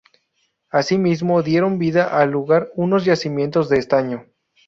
Asimismo dieron vida al lugar unos yacimientos de estaño.